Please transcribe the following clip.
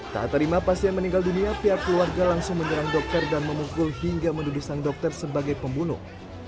tak terima pasien meninggal dunia pihak keluarga langsung menyerang dokter dan memukul hingga menuduh sang dokter sebagai pembunuh